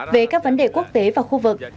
về các vấn đề quốc tế và khu vực